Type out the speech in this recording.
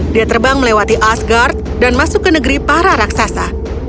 dia terbang melewati asgard dan masuk ke negeri para raksasa